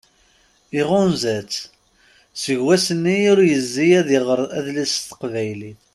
Iɣunza-tt. Seg wassen ur yezzi ad iɣer adlis s teqbaylit.